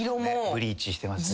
ブリーチしてます。